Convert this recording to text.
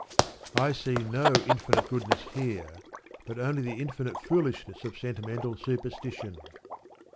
I see no infinite goodness here, but only the infinite foolishness of sentimental superstition.